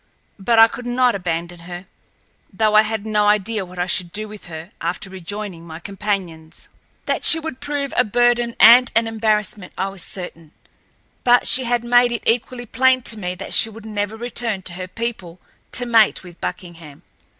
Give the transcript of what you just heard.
But I could not abandon her, though I had no idea what I should do with her after rejoining my companions. That she would prove a burden and an embarrassment I was certain, but she had made it equally plain to me that she would never return to her people to mate with Buckingham.